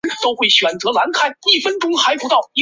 其优良的科学化训练更是不少球队的学习对象。